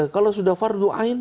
kalau sudah fardung ain